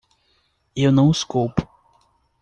Eu não os culpo.